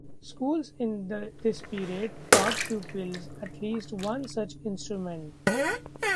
Schools in this period taught pupils at least one such instrument.